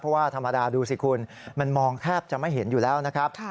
เพราะว่าธรรมดาดูสิคุณมันมองแทบจะไม่เห็นอยู่แล้วนะครับ